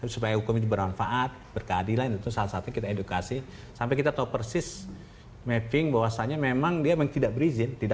supaya hukum itu bermanfaat berkeadilan itu salah satu kita edukasi sampai kita tahu persis mapping bahwasannya memang dia memang tidak berizin